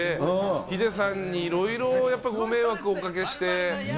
ヒデさんにいろいろやっぱりご迷惑をおかけして。